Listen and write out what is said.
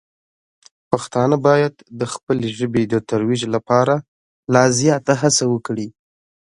پښتانه باید د خپلې ژبې د ترویج لپاره لا زیاته هڅه وکړي.